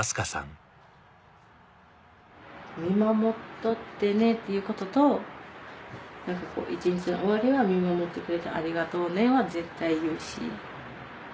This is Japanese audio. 「見守っとってね」っていうことと一日の終わりは「見守ってくれてありがとうね」は絶対言うし。